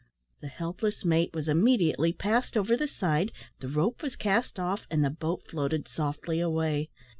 The helpless mate was immediately passed over the side, the rope was cast off; and the boat floated softly away.